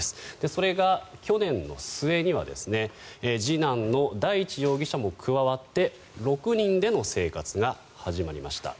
それが去年の末には次男の大地容疑者も加わって６人での生活が始まりました。